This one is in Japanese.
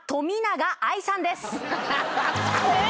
えっ！？